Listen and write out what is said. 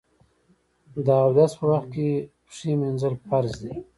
د اودس په وخت کې پښې مینځل فرض دي.